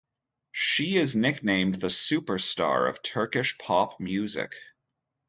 She is nicknamed the Superstar of Turkish pop music.